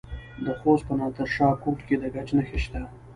د خوست په نادر شاه کوټ کې د ګچ نښې شته.